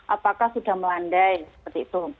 apakah sudah melandai seperti itu